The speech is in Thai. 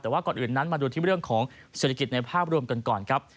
แต่ว่าก่อนอื่นนั้นมาดูที่เรื่องของเศรษฐกิจในภาพรวมกันก่อนครับ